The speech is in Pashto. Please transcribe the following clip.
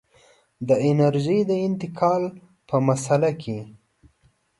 د انرژۍ د انتقال په مسأله کې.